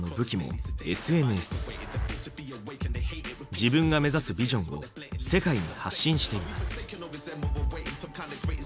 自分が目指すビジョンを世界に発信しています。